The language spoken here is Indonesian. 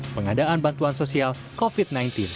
pengadaan bantuan sosial covid sembilan belas